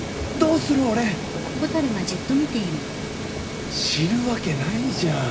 俺知るわけないじゃん。